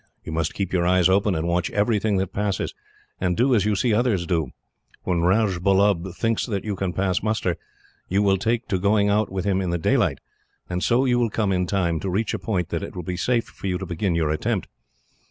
You must keep your eyes open, and watch everything that passes, and do as you see others do. When Rajbullub thinks that you can pass muster, you will take to going out with him in the daylight, and so you will come, in time, to reach a point that it will be safe for you to begin your attempt.